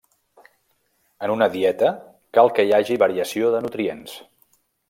En una dieta cal que hi hagi variació de nutrients.